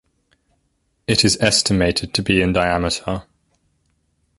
It is estimated to be in diameter.